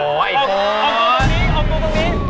โอ้โฮไอ้โฟ่เอาผมตรงนี้